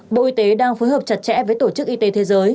bộ y tế đang phối hợp chặt chẽ với tổ chức y tế thế giới